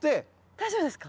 大丈夫ですか？